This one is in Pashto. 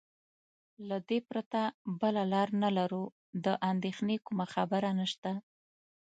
له دې پرته بله لار نه لرو، د اندېښنې کومه خبره نشته.